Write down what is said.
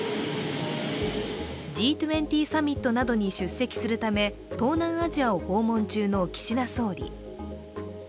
Ｇ２０サミットなどに出席するため東南アジアを訪問中の岸田総理。